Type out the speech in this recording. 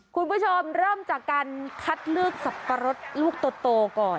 คุณผู้ชมเริ่มจากการคัดเลือกสับปะรดลูกโตก่อน